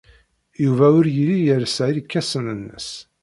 Yuba ur yelli yelsa irkasen-nnes.